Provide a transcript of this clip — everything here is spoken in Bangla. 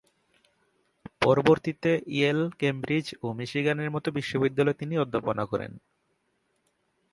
পরবর্তীতে ইয়েল, কেমব্রিজ ও মিশিগানের মত বিশ্ববিদ্যালয়ে তিনি অধ্যাপনা করেন।